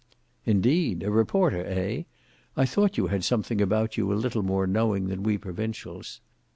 "Indeed! a reporter, eh? I thought you had something about you a little more knowing than we provincials."